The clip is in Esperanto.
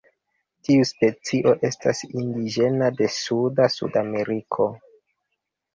Tiu specio estas indiĝena de suda Sudameriko.